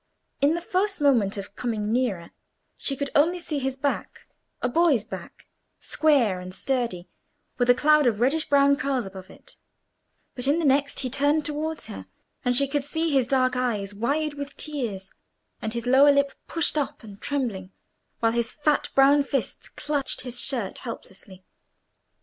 In the first moment of coming nearer she could only see his back—a boy's back, square and sturdy, with a cloud of reddish brown curls above it; but in the next he turned towards her, and she could see his dark eyes wide with tears, and his lower lip pushed up and trembling, while his fat brown fists clutched his shirt helplessly.